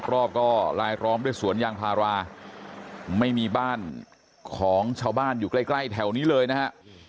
รอบก็ลายล้อมด้วยสวนยางพาราไม่มีบ้านของชาวบ้านอยู่ใกล้แถวนี้เลยนะฮะ